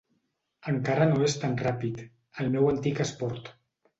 Encara no és tan ràpid, el meu antic esport.